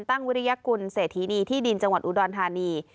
วิริยกุลเศรษฐีนีที่ดินจังหวัดอุดรธานี